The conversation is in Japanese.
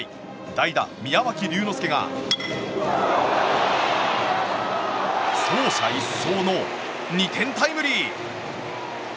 代打、宮脇隆之介が走者一掃の２点タイムリー。